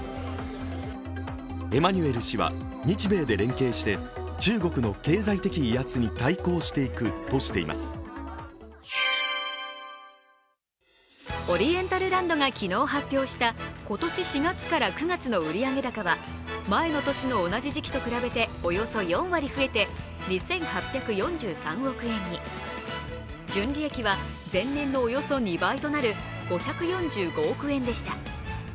エマニュエル氏は日米で連携して中国の経済的威圧に対抗していくとしていますオリエンタルランドが昨日発表した今年４月から９月の売上高は前の年の同じ時期と比べておよそ４割増えて２８４３億円に、純利益は前年のおよそ２倍となる５４５億円でした。